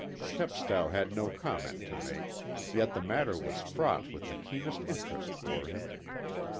Chepstow had no comment to make, yet the matter was fraught with the keenest interest for him.